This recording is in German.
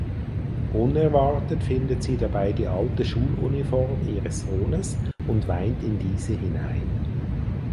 Unerwartet findet sie dabei die alte Schuluniform ihres Sohnes und weint in diese hinein.